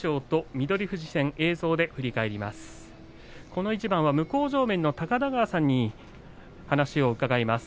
この一番は向正面の高田川さんに伺います。